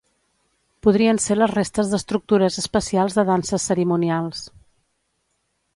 Podrien ser les restes d'estructures especials de danses cerimonials.